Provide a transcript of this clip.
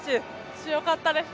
強かったですね。